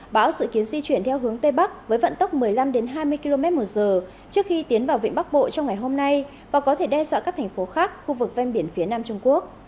bão dự kiến di chuyển theo hướng tây bắc với vận tốc một mươi năm hai mươi km một giờ trước khi tiến vào vịnh bắc bộ trong ngày hôm nay và có thể đe dọa các thành phố khác khu vực ven biển phía nam trung quốc